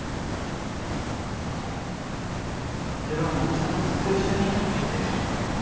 だって翔琉は凪沙とずっと一緒にいたって言ってて。